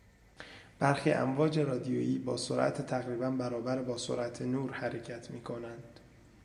برخی امواج رادیویی با سرعت تقریبا برابر با سرعت نور حرکت میکنند.